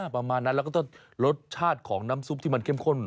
ประมาณนั้นแล้วก็ต้องรสชาติของน้ำซุปที่มันเข้มข้น